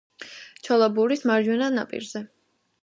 ჩოლაბურის მარჯვენა ნაპირზე.